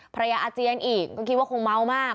อาเจียนอีกก็คิดว่าคงเมามาก